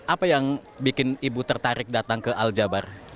apa yang bikin ibu tertarik datang ke al jabar